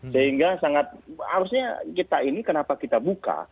sehingga sangat harusnya kita ini kenapa kita buka